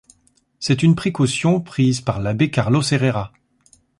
C’est une précaution prise par l’abbé Carlos Herrera!